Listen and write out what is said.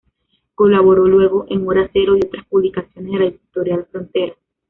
Colaboró luego en Hora Cero y otras publicaciones de la Editorial Frontera.